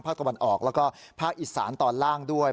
ตะวันออกแล้วก็ภาคอีสานตอนล่างด้วย